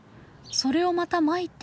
それをまたまいて